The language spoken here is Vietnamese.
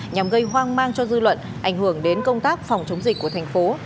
nhằm gây hoang mang cho dư luận ảnh hưởng đến công tác phòng chống dịch của thành phố